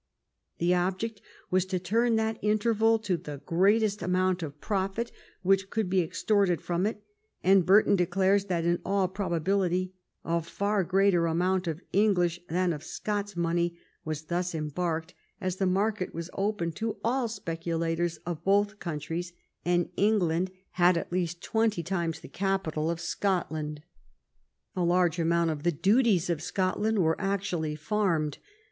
The object was to turn that in terval to the greatest amount of profit which could be extorted from it, and Burton declares that, in all prob ability, " a far greater amount of English than of Scots money was thus embarked, as the market was open to all speculators of both countries, and England had at 272 FIRST PARLIAMENT OF THE UNION least twenty times the capital of Scotland." A large amount of the duties of Scotland were actually farmed.